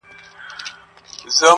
شل او دېرش کاله پخوا یې ښخولم-